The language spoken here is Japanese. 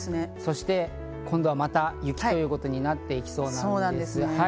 そして今度はまた雪ということになっていきそうなんです。